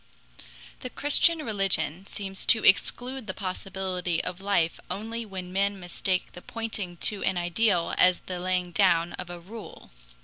The Christian religion seems to exclude the possibility of life only when men mistake the pointing to an ideal as the laying down of a rule.